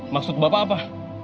maksud bapak apa